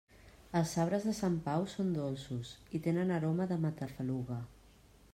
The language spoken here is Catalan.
Els sabres de Sant Pau són dolços i tenen aroma de matafaluga.